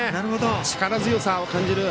力強さを感じる。